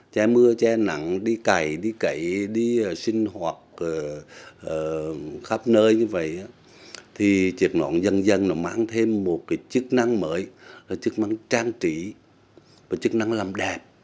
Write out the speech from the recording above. chuyện nọn dân dân mang thêm một chức năng mới chức năng trang trí và chức năng làm đẹp